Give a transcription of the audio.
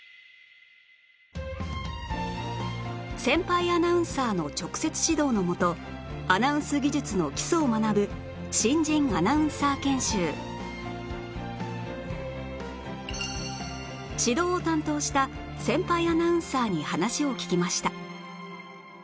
先輩アナウンサーの直接指導のもとアナウンス技術の基礎を学ぶ新人アナウンサー研修指導を担当した先輩アナウンサーに話を聞きました